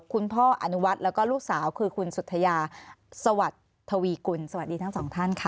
คุณพ่ออันวัดแล้วก็ลูกสาวคือคุณสุธยาสวัสดีทั้งสองท่านค่ะ